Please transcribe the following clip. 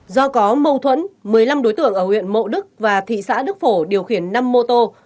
do có mâu thuẫn một mươi năm đối tượng ở huyện mộ đức và thị xã đức phổ điều khiển năm mô tô